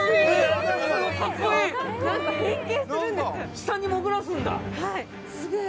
下に潜らすんだすげえ！